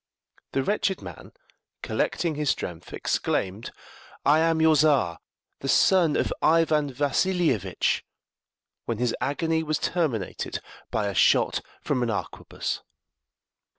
The wretched man, collecting his strength, exclaimed, "I am your Czar, the son of Ivan Vassilievitch!" when his agony was terminated by a shot from an arquebuss.